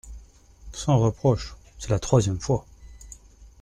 Sans reproches, c’est la troisième fois.